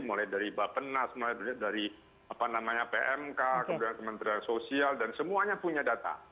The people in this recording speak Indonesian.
mulai dari bapak penas mulai dari pmk kementerian sosial dan semuanya punya data